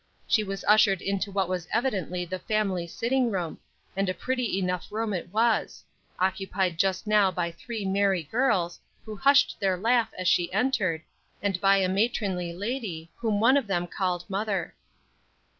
She was ushered into what was evidently the family sitting room, and a pretty enough room it was; occupied just now by three merry girls, who hushed their laugh as she entered, and by a matronly lady, whom one of them called "mother."